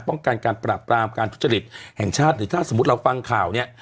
ป้องกันการปราบปรามการทุจริตแห่งชาติหรือถ้าสมมุติเราฟังข่าวเนี่ย